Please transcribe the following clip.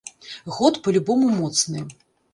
Год па любому моцны.